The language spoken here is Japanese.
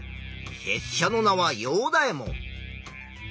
せっしゃの名はヨウダエモン。